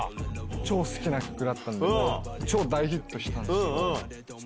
超好きな曲だったんで、超大ヒットしたんですよ。